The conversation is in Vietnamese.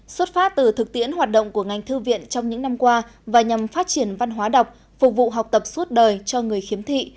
xuất phát từ thực tiễn hoạt động của ngành thư viện trong những năm qua và nhằm phát triển văn hóa đọc phục vụ học tập suốt đời cho người khiếm thị